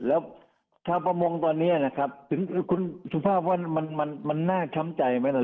แล้วชาวประมงตอนนี้นะครับถึงคุณสุภาพว่ามันน่าช้ำใจไหมล่ะ